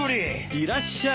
いらっしゃい。